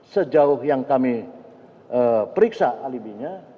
sejauh yang kami periksa alibinya